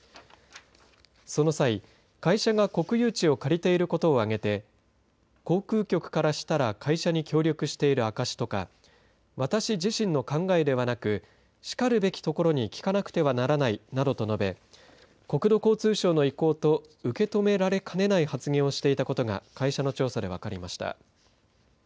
その際、会社が国有地を借りていることを挙げて航空局からしたら会社に協力している証しとか私自身の考えではなくしかるべきところに聞かなくてはならないなどと述べ国土交通省の意向と受け止められかねない発言をしていたことが会社の調査で分かりました。